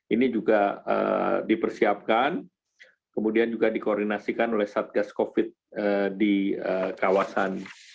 ini juga dipersiapkan kemudian juga dikoordinasikan oleh satgas covid di kawasan